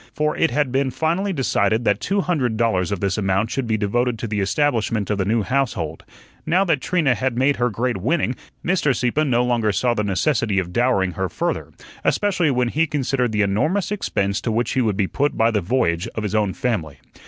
For it had been finally decided that two hundred dollars of this amount should be devoted to the establishment of the new household. Now that Trina had made her great winning, Mr. Sieppe no longer saw the necessity of dowering her further, especially when he considered the enormous expense to which he would be put by the voyage of his own family.